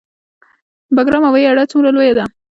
بګرام هوایي اډه څومره لویه ده؟